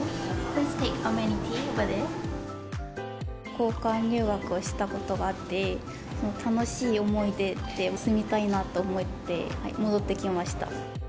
交換留学をしたことがあって、その楽しい思い出で住みたいなと思って、戻ってきました。